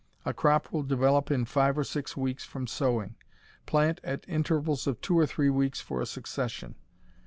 A crop will develop in five or six weeks from sowing. Plant at intervals of two or three weeks for a succession.